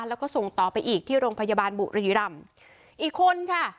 แล้วก็ส่งต่อไปอีกที่โรงพยาบาลบุรีรำอีกคนค่ะ